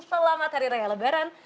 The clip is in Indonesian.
selamat hari raya lebaran